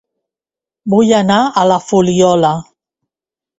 Vull anar a La Fuliola